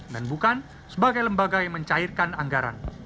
dan bukan sebagai lembaga yang mencairkan anggaran